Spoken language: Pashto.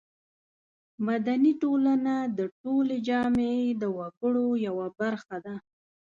مدني ټولنه د ټولې جامعې د وګړو یوه برخه ده.